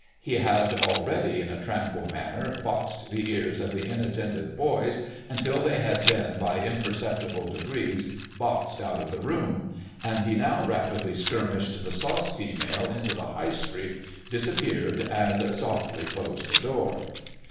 He had already, in a tranquil manner, boxed the ears of the inattentive boys until they had been by imperceptible degrees boxed out of the room ; and he now rapidly skirmished the sauce female into the High street, dis appeared, and softly closed the door.